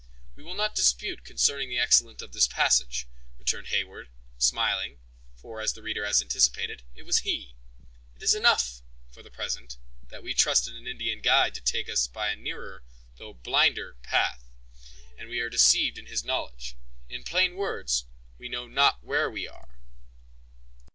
"We will not dispute concerning the excellence of the passage," returned Heyward, smiling; for, as the reader has anticipated, it was he. "It is enough, for the present, that we trusted to an Indian guide to take us by a nearer, though blinder path, and that we are deceived in his knowledge. In plain words, we know not where we are."